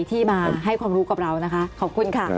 ที่มาให้ความรู้กับเรานะคะขอบคุณค่ะ